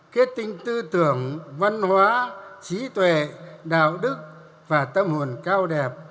kết tinh tư tưởng văn hóa trí tuệ đạo đức và tâm hồn cao đẹp